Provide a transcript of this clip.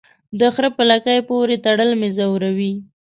د خره په لکۍ پوري تړل مې زوروي.